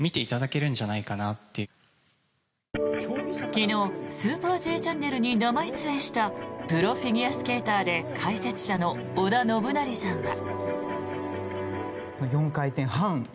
昨日「スーパーＪチャンネル」に生出演したプロフィギュアスケーターで解説者の織田信成さんは。